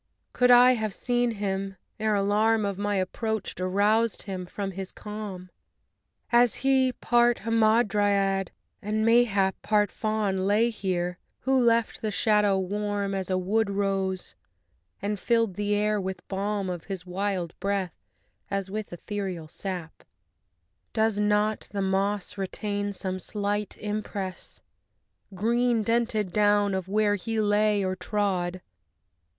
could I have seen him ere alarm Of my approach aroused him from his calm! As he, part Hamadryad and, mayhap, Part Faun, lay here; who left the shadow warm As a wood rose, and filled the air with balm Of his wild breath as with ethereal sap. II Does not the moss retain some slight impress, Green dented down, of where he lay or trod?